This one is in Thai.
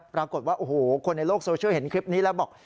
ปรากฏว่าโอ้โหคนในโลกโซเชียลเห็นคลิปนี้แล้วบอก